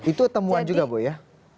itu temuan juga bu ya